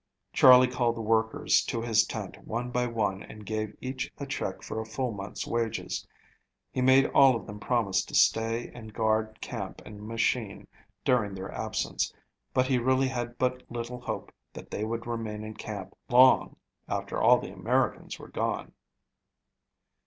Charley called the workers to his tent one by one and gave each a check for a full month's wages. He made all of them promise to stay and guard camp and machine during their absence, but he really had but little hope that they would remain in camp long after all the Americans were gone.